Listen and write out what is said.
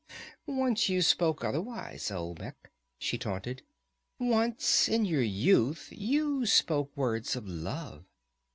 "Once you spoke otherwise, Olmec," she taunted. "Once, in your youth, you spoke words of love.